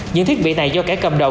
nhưng thiết bị này do cả cầm đội